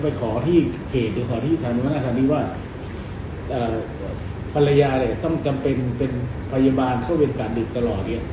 ภรรยาต้องเป็นพยาบาลเข้าเวียดกาลดึกตลอด